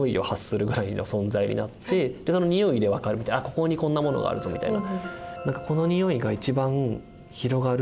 ここにこんなものがあるぞみたいな。